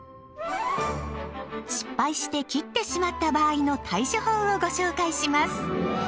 失敗して切ってしまった場合の対処法をご紹介します。